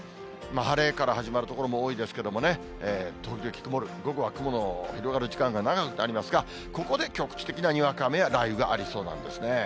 晴れから始まる所も多いですけどもね、時々曇る、午後は雲の広がる時間が長くなりますが、ここで局地的なにわか雨や雷雨がありそうなんですね。